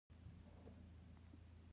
کروندګر د باران انتظار کوي